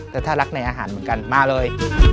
แต่ถ้ารักในอาหารเหมือนกันมาเลย